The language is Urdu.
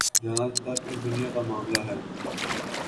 جہاں تک اس دنیا کا معاملہ ہے۔